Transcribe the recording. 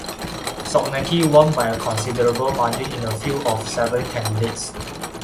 Soknacki won by a considerable margin in a field of seven candidates.